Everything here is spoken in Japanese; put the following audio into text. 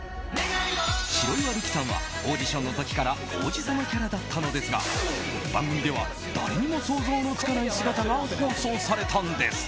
白岩瑠姫さんはオーディションの時から王子様キャラだったのですが番組では誰にも想像のつかない姿が放送されたんです。